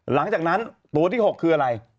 หลังจากนั้นตัวที่๖คืออะไร